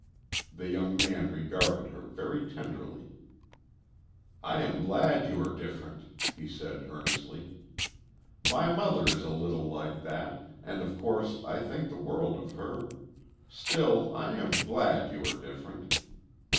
The young man regarded her very tenderly. "I am glad you are different," he said earnestly. "My mother is a little like that, and of course I think the world of her. Still, I am glad you are different."